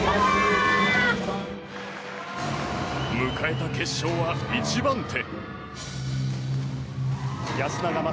迎えた決勝は１番手。